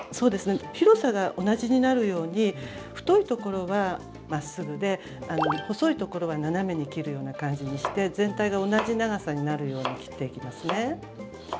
広さが同じになるように太いところはまっすぐで細いところは斜めに切るような感じにして全体が同じ長さになるように切っていきますね。